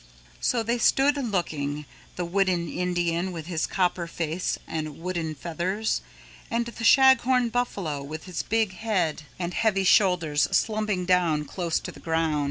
So they stood looking, the Wooden Indian with his copper face and wooden feathers, and the Shaghorn Buffalo with his big head and heavy shoulders slumping down close to the ground.